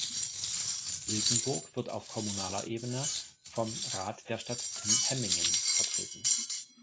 Wilkenburg wird auf kommunaler Ebene vom Rat der Stadt Hemmingen vertreten.